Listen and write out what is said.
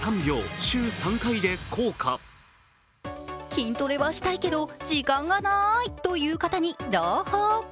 筋トレはしたいけど時間がないという方に朗報。